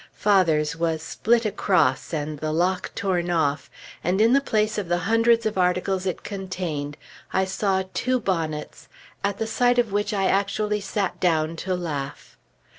Father's was split across, and the lock torn off, and in the place of the hundreds of articles it contained, I saw two bonnets at the sight of which I actually sat down to laugh.